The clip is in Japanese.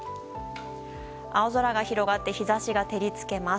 青空が広がって日差しが照り付けます。